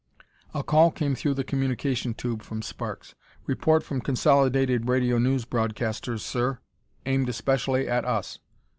A call came through the communication tube from Sparks. "Report from Consolidated Radio News Broadcasters, sir, aimed especially at us."